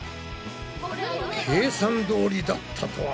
計算どおりだったとは。